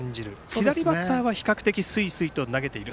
左バッターは比較的すいすいと投げている。